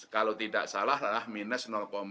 kalau tidak salah adalah minus empat